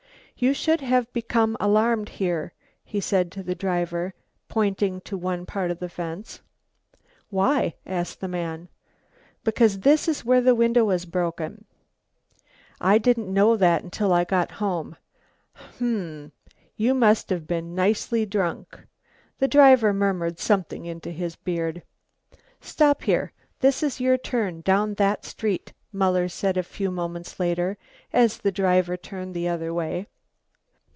"You should have become alarmed here," he said to the driver, pointing to one part of the fence. "Why?" asked the man. "Because this is where the window was broken." "I didn't know that until I got home." "H'm; you must have been nicely drunk." The driver murmured something in his beard. "Stop here, this is your turn, down that street," Muller said a few moments later, as the driver turned the other way.